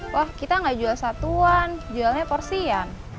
wah kita gak jual satuan jualnya porsian